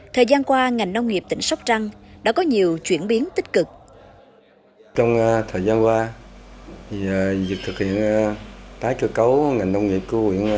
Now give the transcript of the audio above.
thời gian qua ngành nông nghiệp tỉnh sóc trăng đã có nhiều chuyển biến tích cực